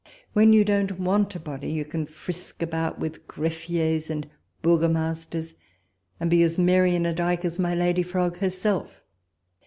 When you don't want a body, you can frisk about with greffiers and burgomasters, and be as merry in a dyke as my lady frog herself.